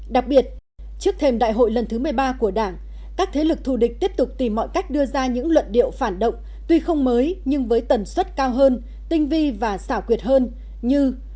đặc biệt trước thềm đại hội lần thứ một mươi ba của đảng các thế lực thù địch tiếp tục tìm mọi cách đưa ra những luận điệu phản động tuy không mới nhưng với tần suất cao hơn tinh vi và xảo quyệt hơn như